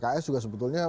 kemarin pks juga sebetulnya